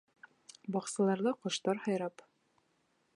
Баҡсаларҙа ҡоштар һайрап